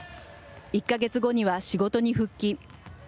１か月後には仕事に復帰。